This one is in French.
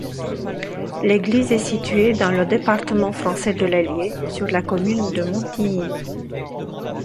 L'église est située dans le département français de l'Allier, sur la commune de Montilly.